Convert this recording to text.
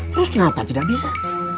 terus kenapa tidak bisa